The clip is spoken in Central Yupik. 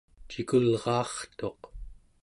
cikulraartuq